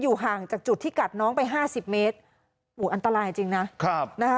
ห่างจากจุดที่กัดน้องไปห้าสิบเมตรโอ้โหอันตรายจริงนะครับนะคะ